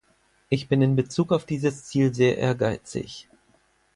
Ich bin in Bezug auf dieses Ziel sehr ehrgeizig.